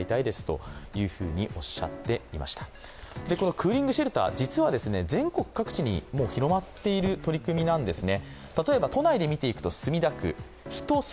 クーリングシェルター実は全国各地にもう広まっている取り組みなんですね。